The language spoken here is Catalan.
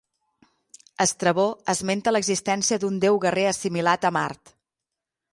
Estrabó esmenta l'existència d'un déu guerrer assimilat a Mart.